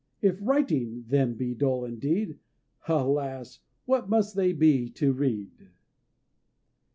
If writing them be dull indeed, Alas! what must they be to read!